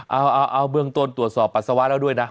เอาเบื้องต้นตรวจสอบปัสสาวะแล้วด้วยนะ